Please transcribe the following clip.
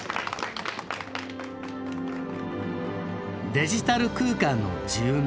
デジタル空間の住民。